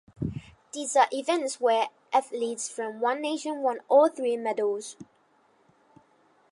These are events where athletes from one nation won all three medals.